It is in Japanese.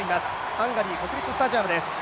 ハンガリー国立スタジアムです。